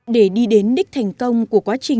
để đi đến đích thành công của quá trình